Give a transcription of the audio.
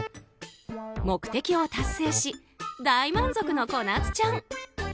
目的を達成し大満足のこなつちゃん。